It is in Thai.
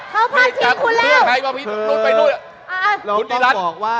เขาพาจจริงกูแล้ว